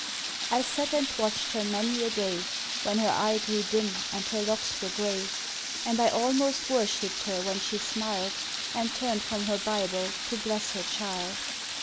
I sat and watched her many a day, When her eye grew dim and her locks were gray; And I almost worshipped her when she smiled, And turned from her Bible to bless her child.